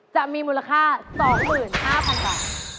จะมีมูลค่า๒๕๐๐๐บาท